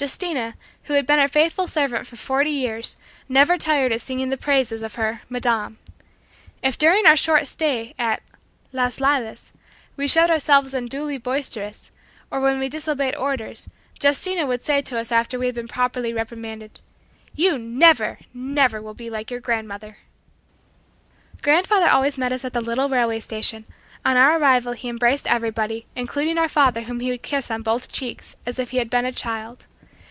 Justina, who had been her faithful servant for forty years, never tired of singing the praises of her "Madame." If during our short stay at "Las Lilas" we showed ourselves unduly boisterous, or when we disobeyed orders, Justina would say to us after we had been properly reprimanded, "You never, never will be like your grandmother!" Grandfather always met us at the little railway station. On our arrival he embraced everybody, including our father whom he would kiss on both cheeks as if he had been a child.